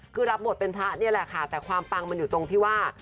คือรับบทเป็นพระนี่แหละค่ะแต่ความปังมันอยู่ตรงที่ว่า